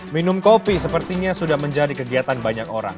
minum kopi sepertinya sudah menjadi kegiatan banyak orang